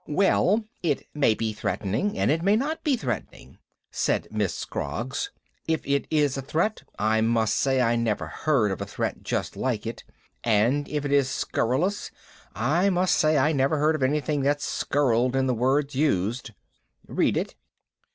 "Well, it may be threatening, and it may not be threatening," said Miss Scroggs. "If it is a threat, I must say I never heard of a threat just like it. And if it is scurrilous, I must say I never heard of anything that scurriled in the words used. Read it."